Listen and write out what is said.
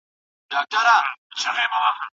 دا ځواب به چا ویلی وي که نه وي؟